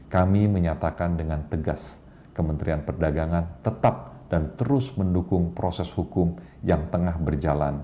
kami menyatakan dengan tegas kementerian perdagangan tetap dan terus mendukung proses hukum yang tengah berjalan